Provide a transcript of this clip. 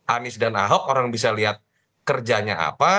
anies dan ahok orang bisa lihat kerjanya apa